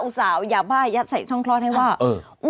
อุตส่าห์เอายาบ้ายัดใส่ช่องคลอดให้ว่าเออ